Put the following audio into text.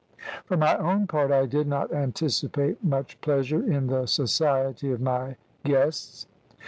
"For my own part, I did not anticipate much pleasure in the society of my guests.